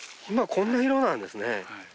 今こんな色なんですね。